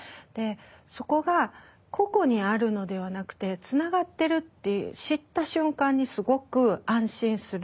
そこが個々にあるのではなくてつながってるって知った瞬間にすごく安心する。